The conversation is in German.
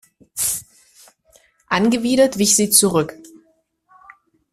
Angewidert wich sie zurück.